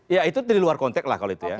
ya itu dari luar konteks lah kalau itu ya